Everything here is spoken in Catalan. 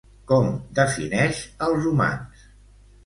Com defineix als humans?